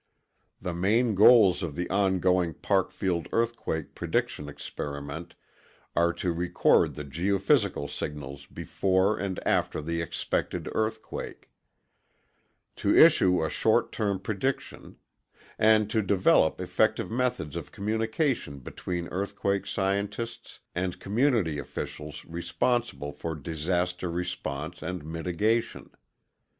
The main goals of the ongoing Parkfield Earthquake Prediction Experiment are to record the geophysical signals before and after the expected earthquake; to issue a short term prediction; and to develop effective methods of communication between earthquake scientists and community officials responsible for disaster response and mitigation.